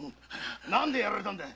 何でやられたんだい？